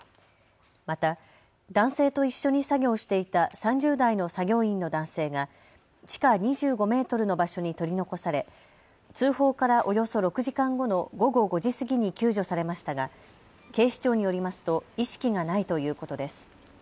また男性と一緒に作業していた３０代の作業員の男性が地下２５メートルの場所に取り残され、通報からおよそ６時間後の午後５時過ぎに救助されましたが警視庁によりますと意識がないということです。